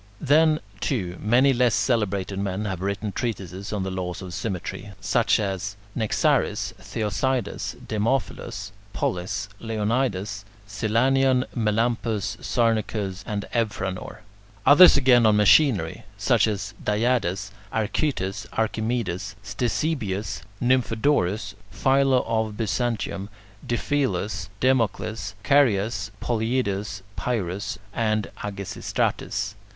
Then, too, many less celebrated men have written treatises on the laws of symmetry, such as Nexaris, Theocydes, Demophilus, Pollis, Leonidas, Silanion, Melampus, Sarnacus, and Euphranor; others again on machinery, such as Diades, Archytas, Archimedes, Ctesibius, Nymphodorus, Philo of Byzantium, Diphilus, Democles, Charias, Polyidus, Pyrrus, and Agesistratus.